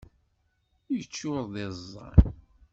Yeččur d iẓẓan.